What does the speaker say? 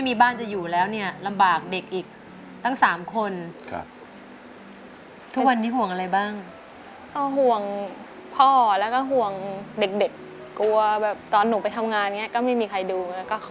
ไม่รู้เขาไปขายของจังหวัดไหนไม่รู้